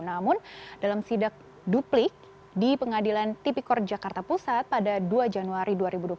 namun dalam sidak duplik di pengadilan tipikor jakarta pusat pada dua januari dua ribu dua puluh